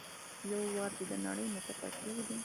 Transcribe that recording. يو وايي چې د نړۍ متفکر دی.